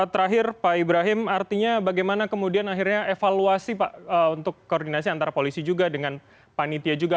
terakhir pak ibrahim artinya bagaimana kemudian akhirnya evaluasi pak untuk koordinasi antara polisi juga dengan panitia juga